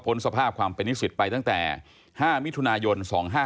สภาพความเป็นนิสิตไปตั้งแต่๕มิถุนายน๒๕๕๙